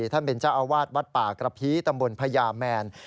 ท่านเป็นเจ้าอาวาสวัดป่ากระพีตำบลพญาแมน